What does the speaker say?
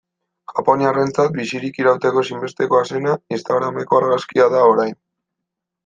Japoniarrentzat bizirik irauteko ezinbestekoa zena, instagrameko argazkia da orain.